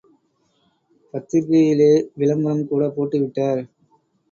பத்திரிகையிலே விளம்பரம் கூட போட்டுவிட்டார்.